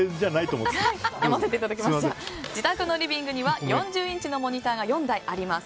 自宅のリビングには４０インチのモニターが４台あります。